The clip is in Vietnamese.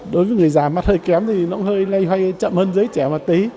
đối với người già mắt hơi kém thì nó hơi lây hoay chậm hơn giới trẻ một tí